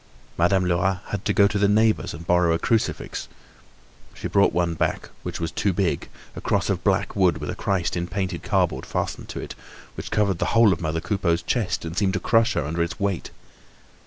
Madame Lerat had to go to the neighbors and borrow a crucifix; she brought one back which was too big, a cross of black wood with a Christ in painted cardboard fastened to it, which covered the whole of mother Coupeau's chest, and seemed to crush her under its weight.